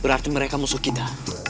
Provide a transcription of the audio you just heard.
berarti mereka musuh kita